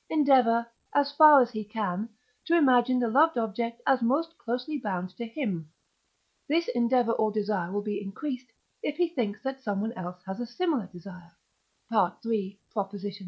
endeavour, as far as he can, to imagine the loved object as most closely bound to him: this endeavour or desire will be increased, if he thinks that someone else has a similar desire (III.